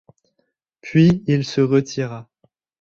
Puis il se retira.